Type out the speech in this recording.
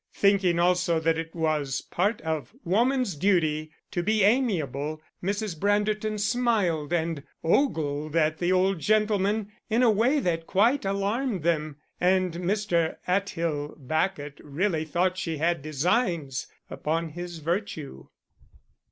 Thinking also that it was part of woman's duty to be amiable, Mrs. Branderton smiled and ogled at the old gentlemen in a way that quite alarmed them, and Mr. Atthill Bacot really thought she had designs upon his virtue.